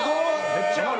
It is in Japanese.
めっちゃある。